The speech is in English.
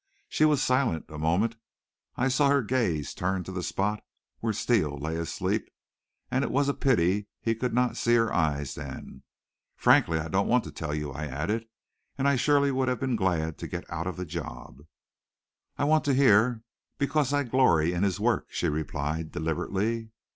She was silent a moment. I saw her gaze turn to the spot where Steele lay asleep, and it was a pity he could not see her eyes then. "Frankly, I don't want to tell you," I added, and I surely would have been glad to get out of the job. "I want to hear because I glory in his work," she replied deliberately.